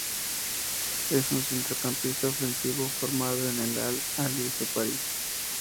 Es un centrocampista ofensivo formado en el Al-Ahly de su país.